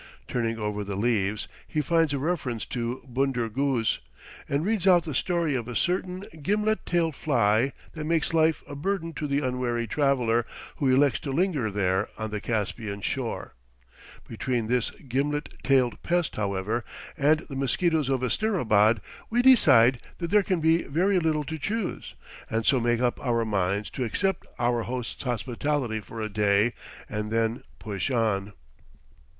Turning over the leaves, he finds a reference to Bunder Guz, and reads out the story of a certain "gimlet tailed fly" that makes life a burden to the unwary traveller who elects to linger there on the Caspian shore. Between this gimlet tailed pest, however, and the mosquitoes of Asterabad we decide that there can be very little to choose, and so make up our minds to accept our host's hospitality for a day and then push on.